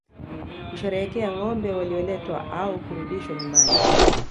Kusherehekea ngombe walioletwa au kurudishwa nyumbani